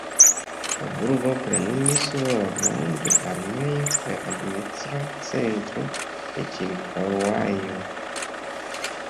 La burgo plenumis rolon de armea kaj administra centro de ĉirkaŭaĵo.